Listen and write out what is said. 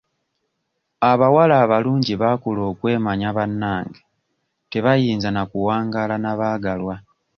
Abawala abalungi baakula okwemanya bannange tebayinza na kuwangaala na baagalwa.